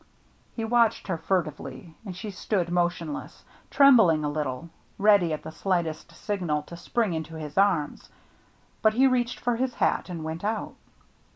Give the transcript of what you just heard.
He watched her furtively; and she stood motionless, trembling a little, ready at the slightest signal to spring into his arms. But he reached for his hat and went out.